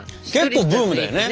結構ブームだよね。